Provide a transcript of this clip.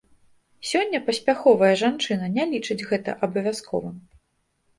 Сёння паспяховая жанчына не лічыць гэта абавязковым.